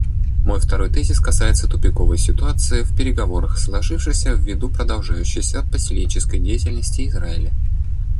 Мой второй тезис касается тупиковой ситуации в переговорах, сложившейся ввиду продолжающейся поселенческой деятельности Израиля.